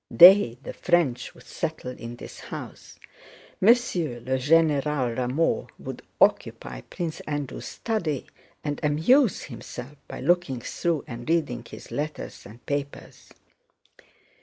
"They, the French, would settle in this house: M. le Général Rameau would occupy Prince Andrew's study and amuse himself by looking through and reading his letters and papers.